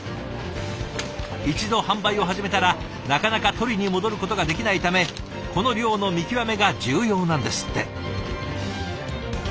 一度販売を始めたらなかなか取りに戻ることができないためこの量の見極めが重要なんですって。